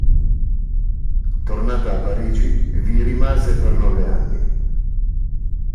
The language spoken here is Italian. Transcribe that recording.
Tornata a Parigi, vi rimase per nove anni.